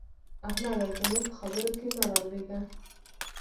احمده! زموږ په خبرو کې مه رالوېږه.